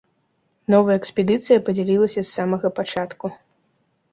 Новая экспедыцыя падзялілася з самага пачатку.